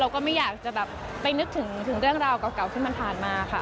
ก็ไม่อยากจะแบบไปนึกถึงเรื่องราวเก่าที่มันผ่านมาค่ะ